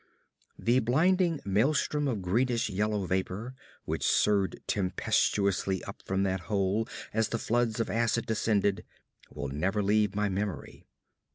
The blinding maelstrom of greenish yellow vapor which surged tempestuously up from that hole as the floods of acid descended, will never leave my memory.